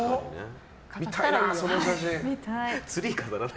見たいな、その写真。